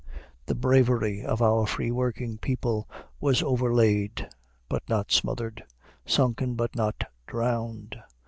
The bravery of our free working people was overlaid, but not smothered; sunken, but not drowned.